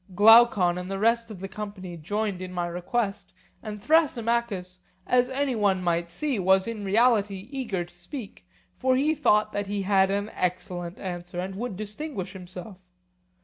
Glaucon and the rest of the company joined in my request, and Thrasymachus, as any one might see, was in reality eager to speak; for he thought that he had an excellent answer, and would distinguish himself.